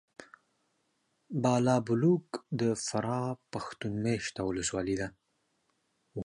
بالابلوک د فراه پښتون مېشته ولسوالي ده .